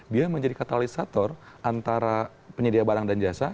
dia menjadi katalisator antara penyedia barang dan jasa